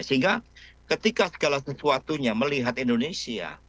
sehingga ketika segala sesuatunya melihat indonesia